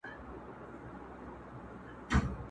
سم روان سو د خاوند د خوني خواته،